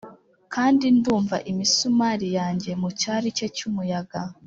kandi ndumva imisumari yanjye mucyari cye cyumuyaga,